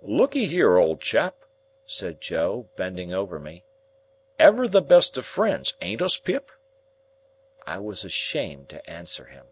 "Lookee here, old chap," said Joe, bending over me. "Ever the best of friends; ain't us, Pip?" I was ashamed to answer him.